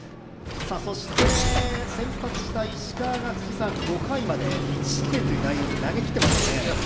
そして先発した石川が５回まで１失点という内容で投げきっていますよね。